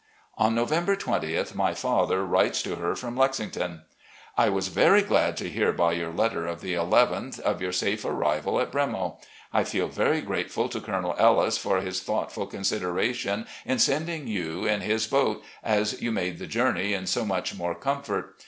On November 20th my father writes to her from Lex ington: " I was very glad to hear, by your letter of the nth, of your safe arrival at ' Bremo.' I feel very grateful to Col. Ellis for his thoughtful consideration in sending you in his boat, as you made the journey in so much more comfort.